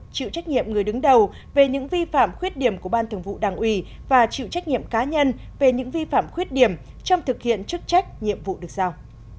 chịu trách nhiệm người đứng đầu về những vi phạm khuyết điểm của ban thường vụ đảng ủy và chịu trách nhiệm cá nhân về những vi phạm khuyết điểm trong thực hiện chức trách nhiệm vụ được giao